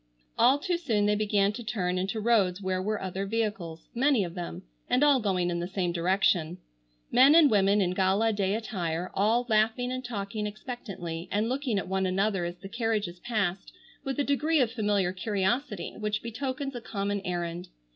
All too soon they began to turn into roads where were other vehicles, many of them, and all going in the same direction. Men and women in gala day attire all laughing and talking expectantly and looking at one another as the carriages passed with a degree of familiar curiosity which betokens a common errand.